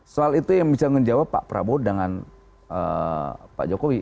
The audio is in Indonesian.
soal itu yang bisa menjawab pak prabowo dengan pak jokowi